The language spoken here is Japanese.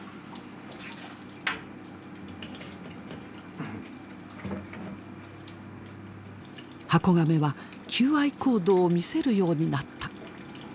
ハコガメは求愛行動を見せるようになった。